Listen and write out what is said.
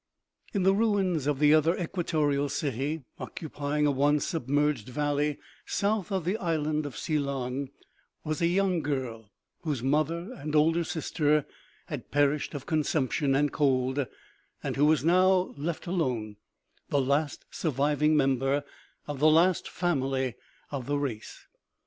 IN the ruins of the other equatorial city, occupying a once submerged valley south of the island of Ceylon, was a young girl, whose mother and older sister had perished of consumption and cold, and who was now left alone, the last surviving member of the last fam ily of the race.